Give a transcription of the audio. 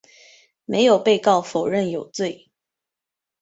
没有被告否认有罪。